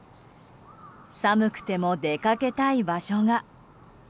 寒くても出かけたい場所が。